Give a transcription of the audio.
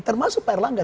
termasuk pak air langga